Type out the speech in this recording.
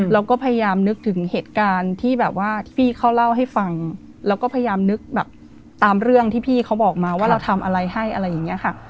เราก็พยายามนึกถึงเหตุการณ์ที่แบบว่าที่พี่เขาเล่าให้ฟังแล้วก็พยายามนึกแบบตามเรื่องที่พี่เขาบอกมาว่าเราทำอะไรให้อะไรอย่างนี้ค่ะ